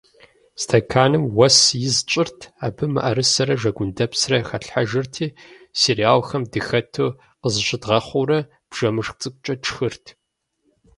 Стэканым уэс из тщӏырт, абы мыӏэрысэрэ жэгундэпсрэ хэтлъхьэжырти, сериалхэм дыхэту къызыщыдгъэхъуурэ бжэмышх цӏыкӏукӏэ тшхырт.